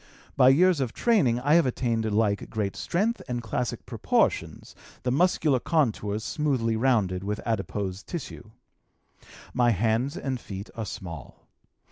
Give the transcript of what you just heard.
By years of training I have attained alike great strength and classic proportions, the muscular contours smoothly rounded with adipose tissue. My hands and feet are small.